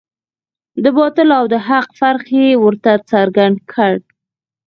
د باطل او د حق فرق یې ورته څرګند کړ.